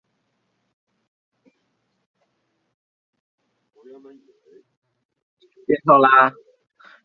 罗马式敬礼通常被认为是由古罗马的致意习惯发展而来。